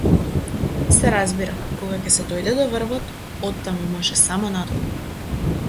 Се разбира, кога ќе се дојде до врвот, оттаму може само надолу.